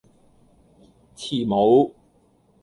慈母